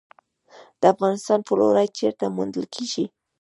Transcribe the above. د افغانستان فلورایټ چیرته موندل کیږي؟